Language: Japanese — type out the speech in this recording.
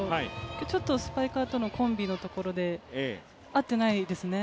今日はちょっとスパイクあとのコンビのところで合っていないですね。